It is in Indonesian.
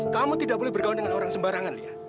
kamu tidak boleh bergaul dengan orang sembarangan dia